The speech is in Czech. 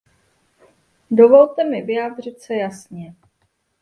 Dovolte mi vyjádřit se jasně.